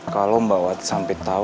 kalau mbak wat sampit tau